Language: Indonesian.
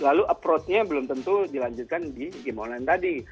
lalu approachnya belum tentu dilanjutkan di game online tadi